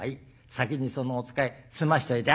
先にそのお使い済ましといで」。